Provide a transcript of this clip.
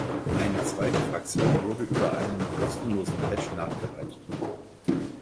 Eine zweite Fraktion wurde über einen kostenlosen Patch nachgereicht.